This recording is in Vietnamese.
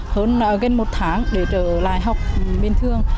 hơn gần một tháng để trở lại học bình thường